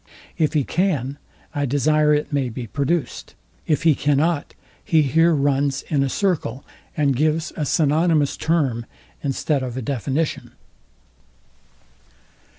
If he can; I desire it may be produced. If he cannot; he here runs in a circle, and gives a synonimous term instead of a definition.